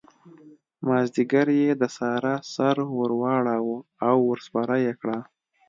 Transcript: مازديګر يې د سارا سر ور واړاوو او ور سپره يې کړه.